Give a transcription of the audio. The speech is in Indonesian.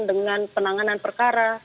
dengan penanganan perkara